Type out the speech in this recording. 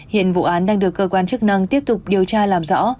hiện vụ án đang được cơ quan chức năng tiếp tục điều tra làm rõ